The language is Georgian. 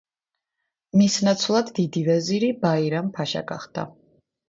მის ნაცვლად დიდი ვეზირი ბაირამ-ფაშა გახდა.